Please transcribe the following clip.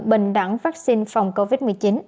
bình đẳng vaccine phòng covid một mươi chín